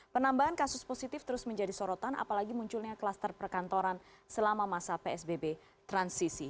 penambahan kasus positif terus menjadi sorotan apalagi munculnya kluster perkantoran selama masa psbb transisi